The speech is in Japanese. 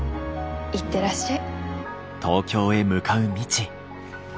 行ってらっしゃい。